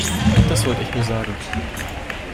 Das wollte ich nur sagen.